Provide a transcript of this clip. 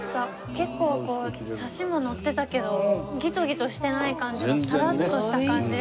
結構サシも乗ってたけどギトギトしてない感じがサラッとした感じですね